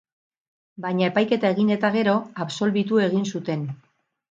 Baina epaiketa egin eta gero, absolbitu egin zuten.